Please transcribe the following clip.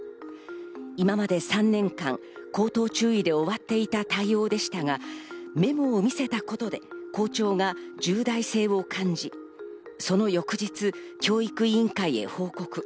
今まで３年間、口頭注意で終わっていた対応でしたが、メモを見せたことで校長が重大性を感じ、その翌日、教育委員会へ報告。